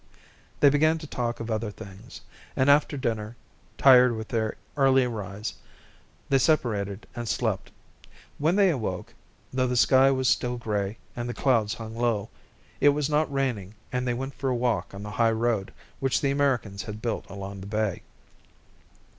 They began to talk of other things, and after dinner, tired with their early rise, they separated and slept. When they awoke, though the sky was still grey and the clouds hung low, it was not raining and they went for a walk on the high road which the Americans had built along the bay.